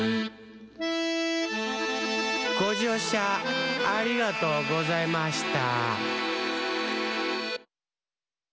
ごじょうしゃありがとうございました。